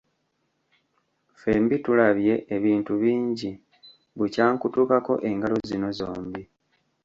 Ffembi tulabye ebintu bingi bukya nkutukako ngalo zino zombi.